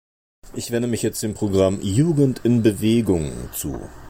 Ich wende mich jetzt dem Programm "Jugend in Bewegung" zu.